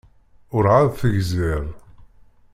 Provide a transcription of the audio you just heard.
Urεad tegziḍ.